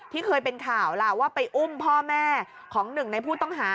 เคยเป็นข่าวล่ะว่าไปอุ้มพ่อแม่ของหนึ่งในผู้ต้องหา